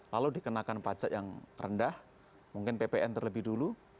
lalu dikenakan pajak yang rendah mungkin ppn terlebih dulu